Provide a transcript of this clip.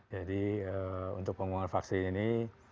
jadi untuk pengguna vaksin ini